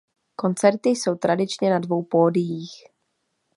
Koncerty jsou tradičně na dvou pódiích.